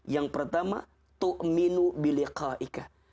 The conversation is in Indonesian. yang pertama tu'minu bilika'ika